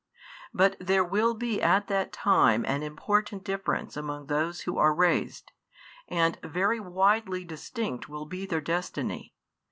But there will be at that time an important difference among those who are raised, and very widely distinct will be their destiny.